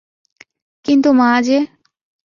কিন্তু মা যে।